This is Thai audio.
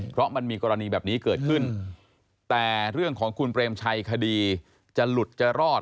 เพราะมันมีกรณีแบบนี้เกิดขึ้นแต่เรื่องของคุณเปรมชัยคดีจะหลุดจะรอด